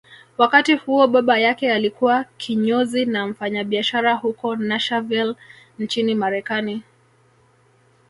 Wakati huo baba yake alikuwa kinyozi na mfanyabiashara huko Narshaville nchini Marekani